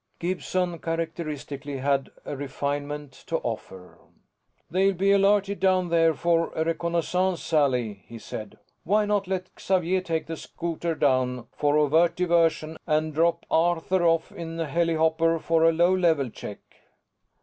Gibson, characteristically, had a refinement to offer. "They'll be alerted down there for a reconnaissance sally," he said. "Why not let Xavier take the scouter down for overt diversion, and drop Arthur off in the helihopper for a low level check?"